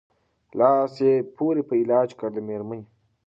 لاس یې پوري په علاج کړ د مېرمني